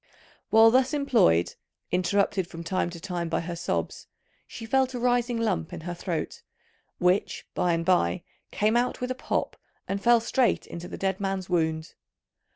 While thus employed, interrupted from time to time by her sobs, she felt a rising lump in her throat, which by and by came out with a pop and fell straight into the dead man's wound.